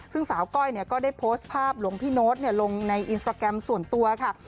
ซึ่งสาวก้อยก็ได้โพสต์ภาพหลวงพี่โน๊ตลงในอินสตราแกรมส่วนตัวค่ะ